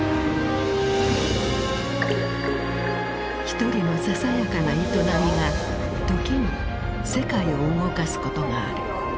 ひとりのささやかな営みが時に世界を動かすことがある。